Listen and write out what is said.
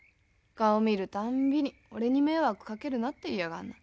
顔見るたんびに「俺に迷惑かけるな」って言いやがんの。